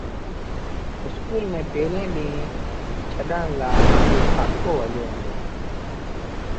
اسڪول ميݩ پيريٚݩ ڏيٚݩهݩ ڇڏڻ لآ مآݩجو ڪآڪو هليو هُݩدو۔